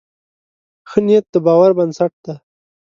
ښه نیت د باور بنسټ دی.